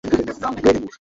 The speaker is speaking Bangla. তোকে কে যোগদানপত্র দিয়েছে?